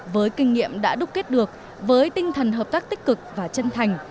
với kinh nghiệm đã đúc kết được với tinh thần hợp tác tích cực và chân thành